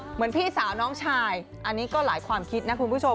เหมือนพี่สาวน้องชายอันนี้ก็หลายความคิดนะคุณผู้ชม